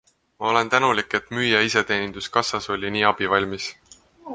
Ma olen tänulik, et müüja iseteeninduskassas oli nii abivalmis.